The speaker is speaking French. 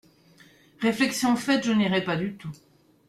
Réflexion faite, je n'irai pas du tout.